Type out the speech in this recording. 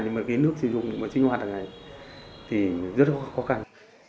nhưng mà cái nước sử dụng mà chinh hoạt hàng ngày thì rất là khó khăn